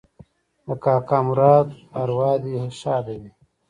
د کاکا مراد اوراح دې ښاده وي